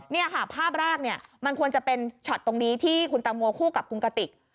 นี่ค่ะภาพแรกเนี่ยมันควรจะเป็นช็อตตรงนี้ที่คุณตังโมคู่กับคุณกติก